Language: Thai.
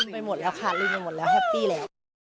ไปหมดแล้วค่ะรีนไปหมดแล้วแฮปปี้แล้ว